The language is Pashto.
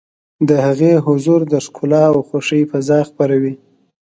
د هغې حضور د ښکلا او خوښۍ فضا خپروي.